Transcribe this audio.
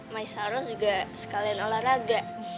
lagian kan ini sekalian nganterin umi